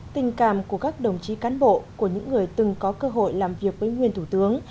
tình cảm của các đồng chí cán bộ của những người từng có cơ hội làm việc với nguyên thủ tướng